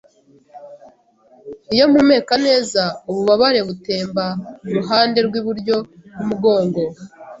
Iyo mpumeka neza, ububabare butemba kuruhande rwiburyo bwumugongo.